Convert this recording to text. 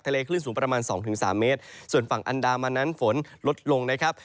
คลื่นสูงประมาณสองถึงสามเมตรส่วนฝั่งอันดามันนั้นฝนลดลงนะครับ